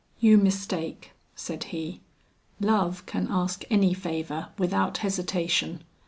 "You mistake," said he, "love can ask any favor without hesitation.